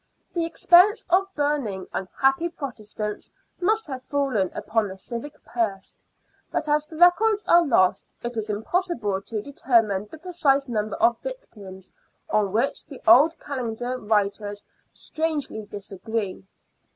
The expense of burning unhappy Protestants must have fallen upon the civic purse, but as the records are lost, it is impossible to determine the precise number of victims, on which the old calendar writers strangely disagree.